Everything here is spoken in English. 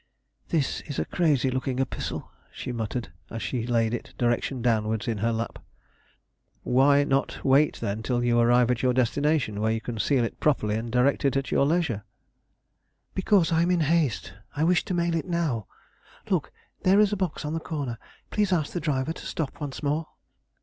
"That is a crazy looking epistle," she muttered, as she laid it, direction downwards, in her lap. "Why not wait, then, till you arrive at your destination, where you can seal it properly, and direct it at your leisure?" "Because I am in haste. I wish to mail it now. Look, there is a box on the corner; please ask the driver to stop once more."